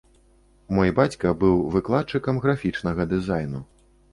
Мой бацька быў выкладчыкам графічнага дызайну.